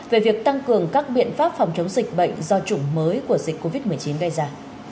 về việc tăng cường các biện pháp phòng chống dịch bệnh do chủng mới của dịch covid một mươi chín gây ra